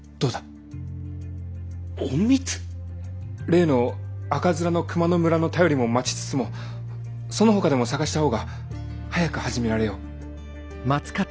例の赤面の熊の村の便りも待ちつつもそのほかでも探したほうが早く始められよう。